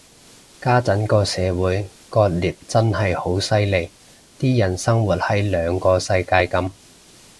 家陣個社會割裂真係好犀利，啲人生活喺兩個世界噉